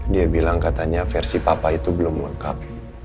dia bilang katanya versi papa itu belum lengkap